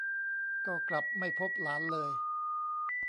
ก็กลับไม่พบหลานเลย